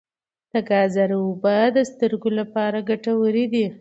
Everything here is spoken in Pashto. د ګازرو اوبه د سترګو لپاره ګټورې دي.